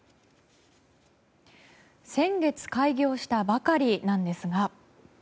先月開業したばかりなんですが。